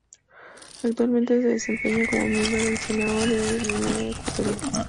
Actualmente se desempeña como miembro del Senado de Guinea Ecuatorial.